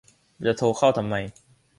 จะโทรเข้าไม่ได้